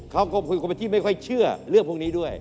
เขาก็เป็นคนที่ไม่ค่อยเชื่อเรื่องพวกนี้ด้วย